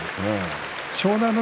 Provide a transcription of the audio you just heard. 湘南乃